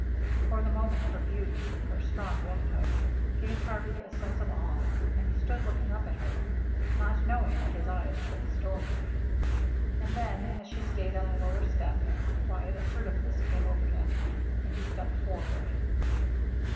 For the moment her beauty, her strong womanhood, gave Harvey a sense of awe, and he stood looking up at her, not knowing that his eyes told the story. And then, as she stayed on the lower step, a quiet assertiveness came over him, and he stepped forward.